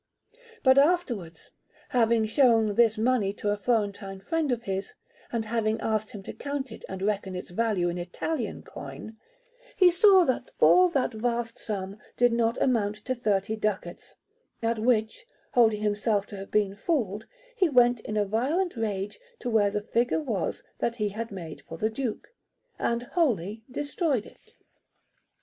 But afterwards, having shown this money to a Florentine friend of his, and having asked him to count it and reckon its value in Italian coin, he saw that all that vast sum did not amount to thirty ducats; at which, holding himself to have been fooled, he went in a violent rage to where the figure was that he had made for the Duke, and wholly destroyed it.